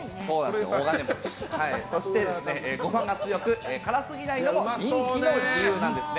そして、ゴマが強く辛すぎないのも人気の理由です。